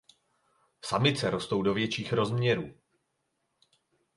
Samice rostou do větších rozměrů.